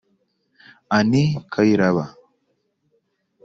Annie Kayiraba